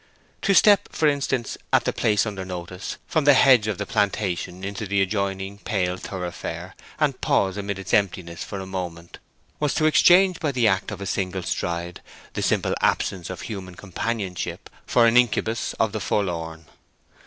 To step, for instance, at the place under notice, from the hedge of the plantation into the adjoining pale thoroughfare, and pause amid its emptiness for a moment, was to exchange by the act of a single stride the simple absence of human companionship for an incubus of the forlorn.